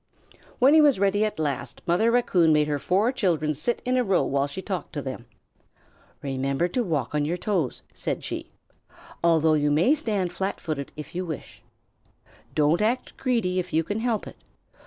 When he was ready at last, Mother Raccoon made her four children sit in a row while she talked to them. "Remember to walk on your toes," said she, "although you may stand flat footed if you wish. Don't act greedy if you can help it.